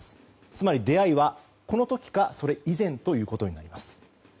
つまり出会いはこの時かそれ以前ということになります。